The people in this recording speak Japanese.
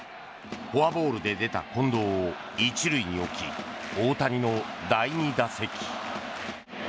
フォアボールで出た近藤を１塁に置き、大谷の第２打席。